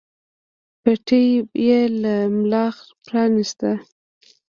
پټۍ يې له ملا پرانېسته.